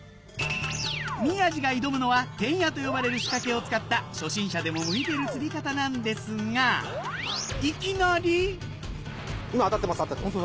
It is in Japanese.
宮治が挑むのはテンヤと呼ばれる仕掛けを使った初心者でも向いてる釣り方なんですがいきなりホントだ。